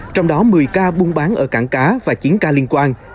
trong đó một mươi ca buôn bán ở cảng cá và chín ca liên quan